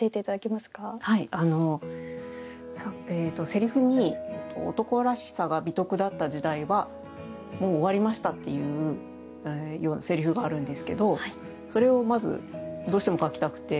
せりふに男らしさが美徳だった時代はもう終わりましたというせりふがあるんですけど、それをまずどうしても書きたくて。